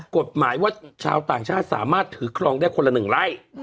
กฎหมายว่าชาวต่างชาติสามารถถือครองได้คนละ๑ไร่